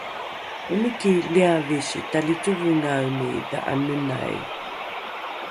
omiki liavisi talicovongaeni dha’anenai